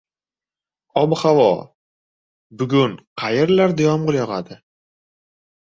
Ob-havo. Bugun qayerlarda yomg‘ir yog‘adi?